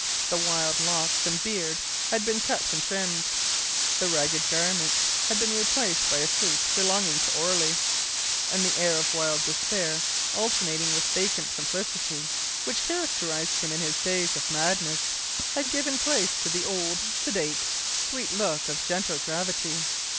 The wild locks and beard had been cut and trimmed; the ragged garments had been replaced by a suit belonging to Orley, and the air of wild despair, alternating with vacant simplicity, which characterised him in his days of madness, had given place to the old, sedate, sweet look of gentle gravity.